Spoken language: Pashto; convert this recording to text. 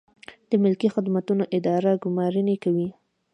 د ملکي خدمتونو اداره ګمارنې کوي